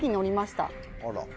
あら。